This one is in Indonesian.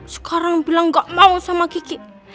sekarang bilang gak mau sama kiki